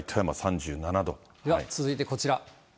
では続いてこちら。